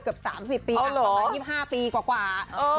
เกือบสามสิบปีอ๋อเหรอสามสิบห้าปีกว่ากว่าเออ